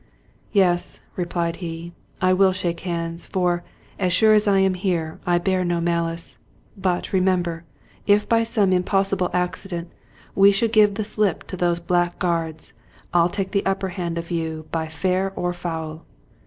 " Yes," replied he, " I will shake hands ; for, as sure as I am here, I bear no malice. But, remember, if, by some impossible accident, we should give the slip to these black guards, I'll take the upper hand of you by fair or foul."